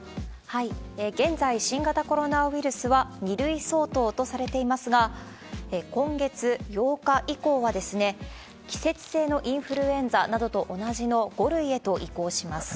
現在、新型コロナウイルスは２類相当とされていますが、今月８日以降は、季節性のインフルエンザなどと同じの５類へと移行します。